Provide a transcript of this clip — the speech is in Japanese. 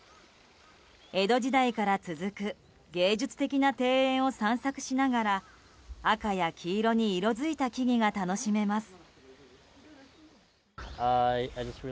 江戸時代から続く芸術的な庭園を散策しながら赤や黄色に色づいた木々が楽しめます。